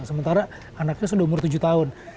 sementara anaknya sudah umur tujuh tahun